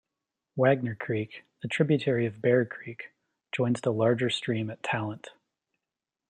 Wagner Creek, a tributary of Bear Creek, joins the larger stream at Talent.